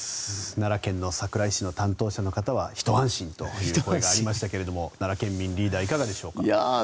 奈良県の桜井市の担当者の方はひと安心という声がありましたが奈良県民リーダー、いかがでしょうか。